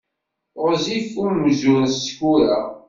Ɣezzif umzur n Sekkura.